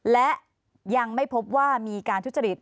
และยังไม่พบว่ามีการทุจริต